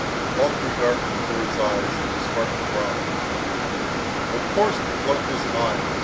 All grew dark before his eyes, and his heart throbbed. "Of course, the cloak is mine!"